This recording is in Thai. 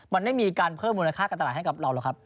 มันไม่มีการเพิ่มมูลค่าการตลาดให้กับเราหรอกครับ